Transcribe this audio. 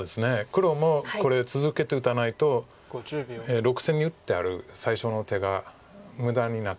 黒もこれ続けて打たないと６線に打ってある最初の手が無駄になっちゃう可能性があるので。